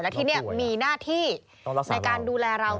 ที่นี่มีหน้าที่ในการดูแลเรา